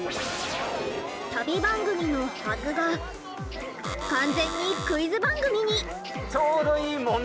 旅番組のはずが完全にクイズ番組に。